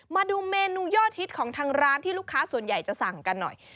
มาดูเมนูยอดฮิตของทางร้านที่ลูกค้าส่วนใหญ่จะสั่งกันหน่อย